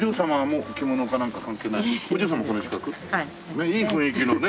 ねえいい雰囲気のね。